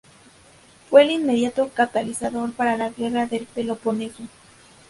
Fue el inmediato catalizador para la guerra del Peloponeso.